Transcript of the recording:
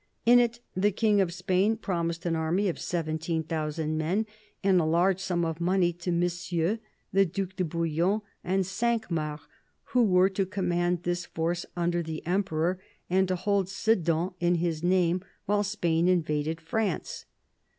In it the King of Spain promised an army of 17,000 men and a large sum of money to Monsieur, the Due de Bouillon, and Cinq Mars, who were to command this force under the Emperor and to hold Sedan in his name while Spain invaded France.